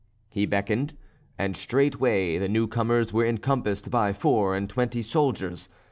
He beckoned, and straightway the new comers were encompassed by four and twenty soldiers.